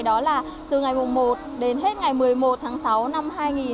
đó là từ ngày một đến hết ngày một mươi một tháng sáu năm hai nghìn một mươi bảy